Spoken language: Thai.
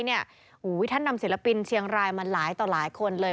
ท่านนำศิลปินเชียงรายมาหลายต่อหลายคนเลย